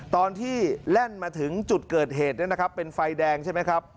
ตอนที่แร่นมาถึงจุดเกิดเหตุเป็นไฟแดงใช่ไหมครับ